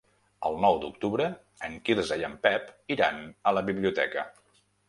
El nou d'octubre en Quirze i en Pep iran a la biblioteca.